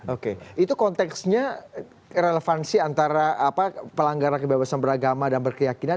oke itu konteksnya relevansi antara pelanggaran kebebasan beragama dan berkeyakinan